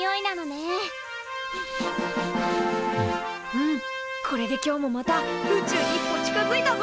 うんこれで今日もまた宇宙に一歩近づいたぞ！